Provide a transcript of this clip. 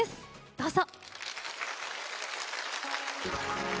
どうぞ。